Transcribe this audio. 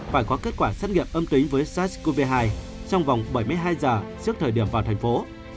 phải có kết quả xét nghiệm âm tính với sars cov hai trong vòng bảy mươi hai giờ trước thời điểm vào thành phố